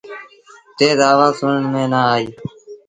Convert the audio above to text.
تيز آوآز سُڻڻ ميݩ نا آئي۔